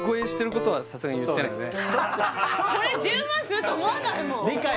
さすがにこれ１０万すると思わないもん